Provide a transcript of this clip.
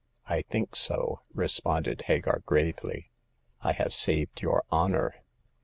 " I think so," responded Hagar, gravely. " I have saved your honor."